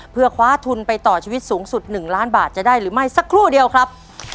เพื่อคว้าทุนไปต่อชีวิตสูงสุด๑ล้านบาทจะได้หรือไม่สักครู่เดียวครับ